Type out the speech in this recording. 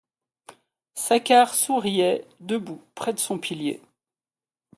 Saccard souriait, debout près de son pilier.